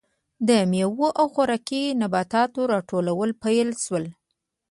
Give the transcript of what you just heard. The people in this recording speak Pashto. د میوو او خوراکي نباتاتو راټولول پیل شول.